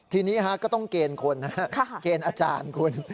ทีนี้ก็ต้องเกณฑ์คนเกณฑ์อาจารย์คุณ